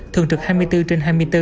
thường trực hai mươi bốn trên hai mươi bốn